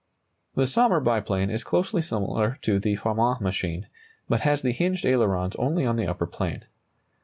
The Sommer biplane is closely similar to the Farman machine, but has the hinged ailerons only on the upper plane.